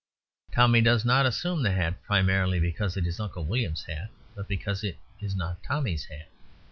Tommy does not assume the hat primarily because it is Uncle William's hat, but because it is not Tommy's hat.